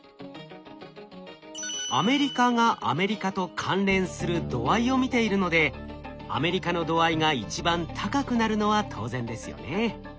「アメリカ」がアメリカと関連する度合いを見ているので「アメリカ」の度合いが一番高くなるのは当然ですよね。